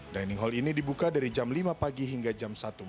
dining hall ini dibuka dari jam lima pagi hingga jam satu malam